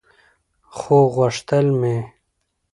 خو غوښتل مې